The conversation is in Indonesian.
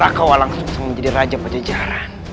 rakawalang sung sang menjadi raja pajajaran